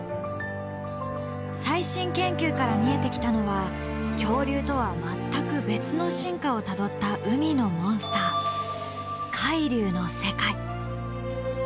最新研究から見えてきたのは恐竜とは全く別の進化をたどった海のモンスター海竜の世界。